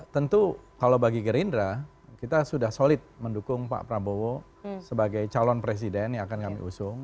tentu kalau bagi gerindra kita sudah solid mendukung pak prabowo sebagai calon presiden yang akan kami usung